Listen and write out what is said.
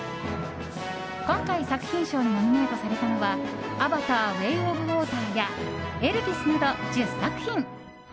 今回作品賞にノミネートされたのは「アバター：ウェイ・オブ・ウォーター」や「エルヴィス」など１０作品。